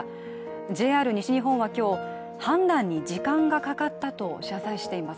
ＪＲ西日本は今日、判断に時間がかかったと謝罪しています。